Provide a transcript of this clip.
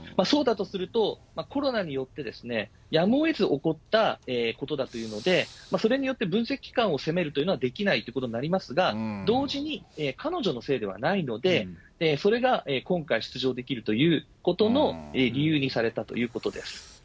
そうだとすると、コロナによってやむをえず起こったことだというので、それによって分析機関を責めるということはできないということになりますが、同時に彼女のせいではないので、それが今回出場できるということの理由にされたということです。